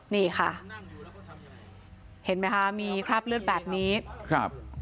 นี่ค่ะเห็นไหมคะมีคราบเลือดแบบนี้ครับ